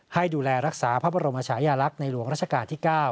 ให้ดูแลรักษาพระบรมชายาลักษณ์ในหลวงราชการที่๙